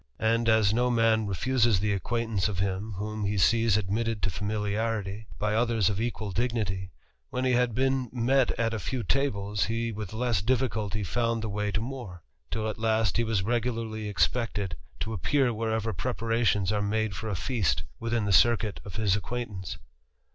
nd, as no man refuses the acquaintance of him whom he ees admitted to familiarity by others of equal dignity, when le had been met at a few tables, he with less difficulty found he way to more, till at last he was regularly expected to 204 THE RAMBLER. appear wherever preparations are made for a feast, yn\ the circuit of his acquaintance.